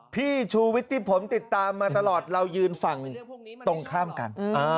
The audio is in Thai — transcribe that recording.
พี่ชูวิทย์ที่ผมติดตามมาตลอดเรายืนฝั่งตรงข้ามกัน